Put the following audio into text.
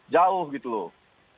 jauh gitu loh